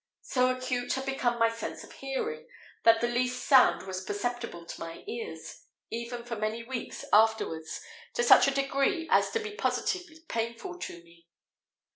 So acute had become my sense of hearing, that the least sound was perceptible to my ears, even for many weeks afterwards, to such a degree as to be positively painful to me.